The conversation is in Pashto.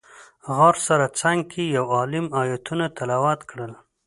غار سره څنګ کې یو عالم ایتونه تلاوت کړل.